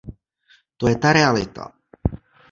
To je ta realita.